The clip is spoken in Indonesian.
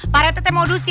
pak rete mau berdiri ya